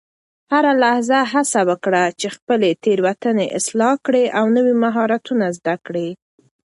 هره لحظه هڅه وکړه چې خپلې تیروتنې اصلاح کړې او نوي مهارتونه زده کړې.